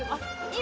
今！